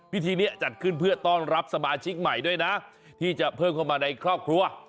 พิธีนี้จัดขึ้นเพื่อต้อนรับสมาชิกใหม่ด้วยนะที่จะเพิ่มเข้ามาในครอบครัว